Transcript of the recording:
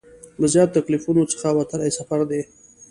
له زیاتو تکلیفونو څخه وتلی سفر دی.